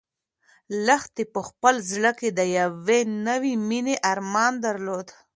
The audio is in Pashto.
لښتې په خپل زړه کې د یوې نوې مېنې ارمان درلود.